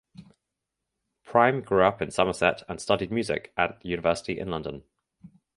Prime grew up in Somerset and studied music at university in London.